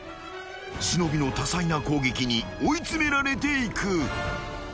［忍の多彩な攻撃に追い詰められていく］